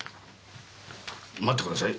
待ってください。